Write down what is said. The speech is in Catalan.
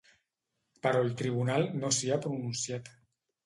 Però el tribunal no s’hi ha pronunciat.